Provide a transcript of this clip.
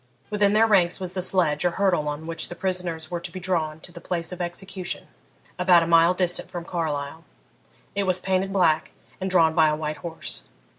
Within their ranks was the sledge or hurdle on which the prisoners were to be drawn to the place of execution, about a mile distant from Carlisle. It was painted black, and drawn by a white horse.